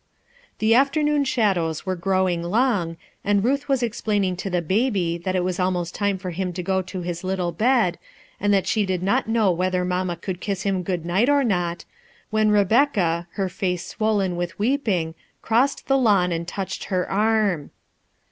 The afternoon shadows Mere growing long, and Ruth was explaining to the baby that it was almost time for him to go to his little bed, and that she did not know whether mamma could kiss him good night or not, when Rebecca, her face swollen with weeping, crossed the lawn and touched her arm.